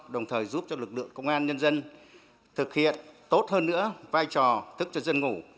đồng thời giúp cho lực lượng công an nhân dân thực hiện tốt hơn nữa vai trò thức cho dân ngủ